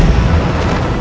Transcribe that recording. aku akan menangkapnya